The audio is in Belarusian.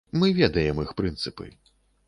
Мы ведаем іх прынцыпы.